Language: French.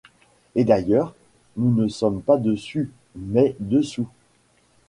Et d’ailleurs, nous ne sommes pas dessus, mais dessous.